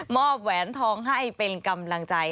แหวนทองให้เป็นกำลังใจ